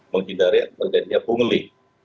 menghindari adanya pungli